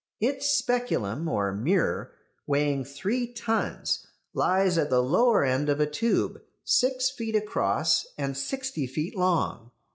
Its speculum, or mirror, weighing three tons, lies at the lower end of a tube six feet across and sixty feet long.